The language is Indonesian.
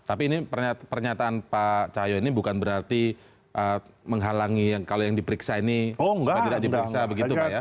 tapi ini pernyataan pak cahyo ini bukan berarti menghalangi kalau yang diperiksa ini bukan tidak diperiksa begitu pak ya